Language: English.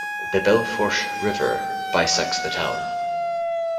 The Belle Fourche River bisects the town.